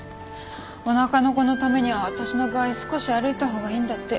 おなかの子のためには私の場合少し歩いた方がいいんだって。